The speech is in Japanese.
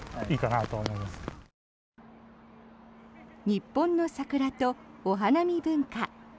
日本の桜と、お花見文化。